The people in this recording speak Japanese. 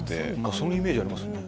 そのイメージありますね。